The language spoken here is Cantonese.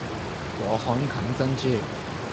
禾稈冚珍珠